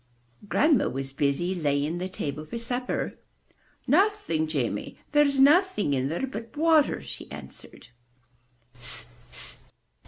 *' Grandma was busy laying the table for supper. Nothing, Jamie! There's nothing in there but water, she answered.